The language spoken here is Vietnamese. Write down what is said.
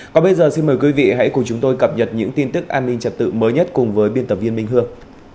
còn bây giờ xin mời quý vị hãy cùng chúng tôi cập nhật những tin tức an ninh trật tự mới nhất cùng với biên tập viên minh hương